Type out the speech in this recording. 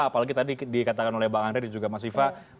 apalagi tadi dikatakan oleh bang andre dan juga mas viva